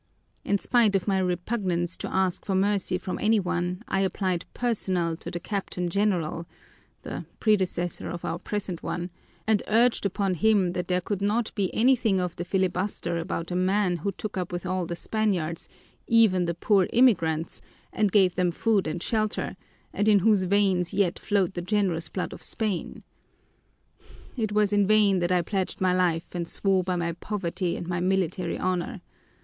In spite of my repugnance to asking for mercy from any one, I applied personally to the Captain General the predecessor of our present one and urged upon him that there could not be anything of the filibuster about a man who took up with all the Spaniards, even the poor emigrants, and gave them food and shelter, and in whose veins yet flowed the generous blood of Spain. It was in vain that I pledged my life and swore by my poverty and my military honor.